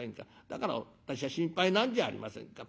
だから私は心配なんじゃありませんか。